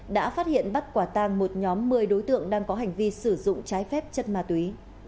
đã phát hiện bắt quả tang một nhóm một mươi đối tượng đang có hành vi sử dụng trái phép chất ma túy